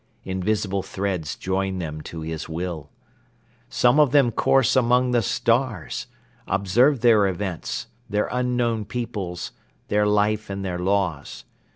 Invisible threads join them to his will. Some of them course among the stars, observe their events, their unknown peoples, their life and their laws.